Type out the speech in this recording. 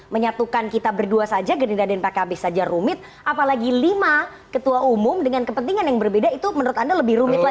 menyatukan kita berdua saja gerindra dan pkb saja rumit apalagi lima ketua umum dengan kepentingan yang berbeda itu menurut anda lebih rumit lagi